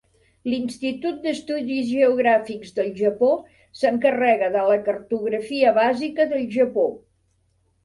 L'Institut d'Estudis Geogràfics del Japó s'encarrega de la cartografia bàsica del Japó.